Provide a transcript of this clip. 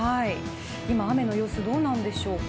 今、雨の様子どうなんでしょうか。